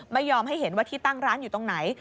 ไม่ยอมให้เห็นว่าที่ตั้งร้านอยู่ตรงไหน